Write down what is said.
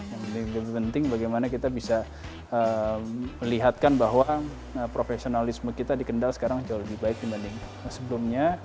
yang lebih penting bagaimana kita bisa melihatkan bahwa profesionalisme kita di kendal sekarang jauh lebih baik dibanding sebelumnya